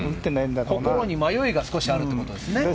心に迷いが少しあるということですね。